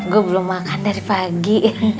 gue belum makan dari pagi